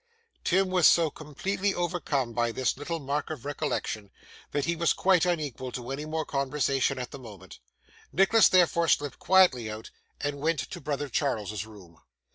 Tim was so completely overcome by this little mark of recollection, that he was quite unequal to any more conversation at the moment. Nicholas therefore slipped quietly out, and went to brother Charles's room.